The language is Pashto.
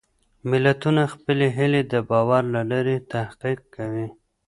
ملتونه خپلې هېلې د باور له لارې تحقق کوي.